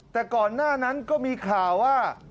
แต่ก่อนหน้านั้นก็มีข่าวว่า